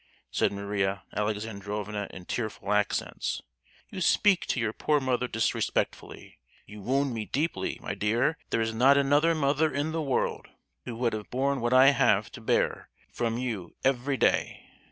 said Maria Alexandrovna in tearful accents. "You speak to your poor mother disrespectfully; you wound me deeply, my dear; there is not another mother in the world who would have borne what I have to bear from you every day!